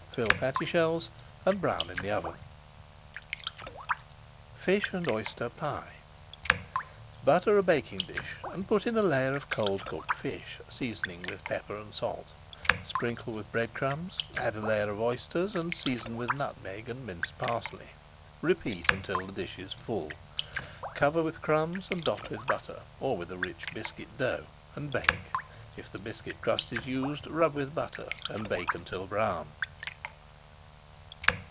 Fill patty shells and brown in the oven. [Page 475] FISH AND OYSTER PIE Butter a baking dish and put in a layer of cold cooked fish, seasoning with pepper and salt. Sprinkle with bread crumbs, add a layer of oysters, and season with nutmeg and minced parsley. Repeat until the dish is full. Cover with crumbs and dot with butter, or with a rich biscuit dough, and bake. If the biscuit crust is used, rub with butter, and bake until brown.